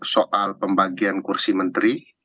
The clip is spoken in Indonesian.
soal pembagian kursi menteri